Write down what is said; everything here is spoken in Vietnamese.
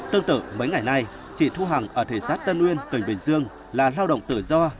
tương tự mấy ngày nay chị thu hằng ở thị xã tân uyên tỉnh bình dương là lao động tự do